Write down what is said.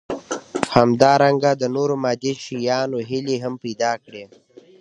همدارنګه د نورو مادي شيانو هيلې هم پيدا کړي.